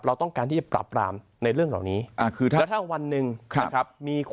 เราต้องการที่จะปราบรามในเรื่องเหล่านี้